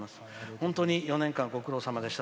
本当に４年間ご苦労さまでした。